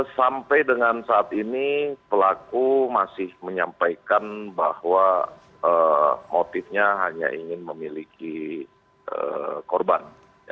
sampai dengan saat ini pelaku masih menyampaikan bahwa motifnya hanya ingin memiliki korban